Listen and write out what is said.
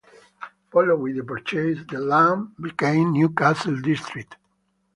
Following the purchase, the land became Newcastle District.